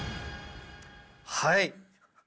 はい。